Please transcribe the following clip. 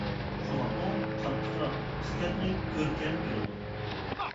شۇڭا ئۇ قاتتىقراق، ئىسكەتلىك، كۆركەم، كېلىدۇ.